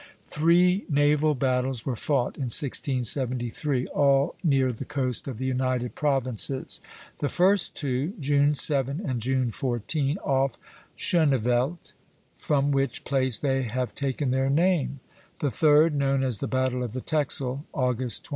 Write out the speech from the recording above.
Three naval battles were fought in 1673, all near the coast of the United Provinces; the first two, June 7 and June 14, off Schoneveldt, from which place they have taken their name; the third, known as the battle of the Texel, August 21.